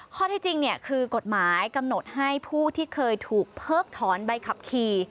ข้อที่จริงคือกฎหมายกำหนดให้ผู้ที่เคยถูกเพิกถอนใบขับขี่